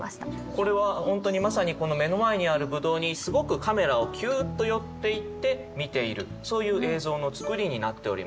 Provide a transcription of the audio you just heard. これは本当にまさにこの目の前にある葡萄にすごくカメラをキューッと寄っていって見ているそういう映像の作りになっております。